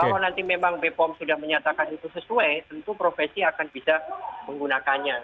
kalau nanti memang bepom sudah menyatakan itu sesuai tentu profesi akan bisa menggunakannya